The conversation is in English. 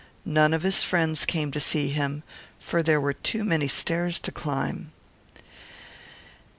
None of his friends came to see him, there were too many stairs to mount up.